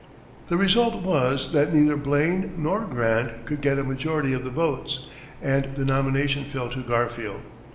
The result was that neither Blaine nor Grant could get a majority of the votes, and the nomination fell to Garfield.